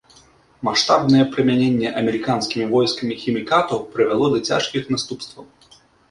Маштабнае прымяненне амерыканскімі войскамі хімікатаў прывяло да цяжкіх наступстваў.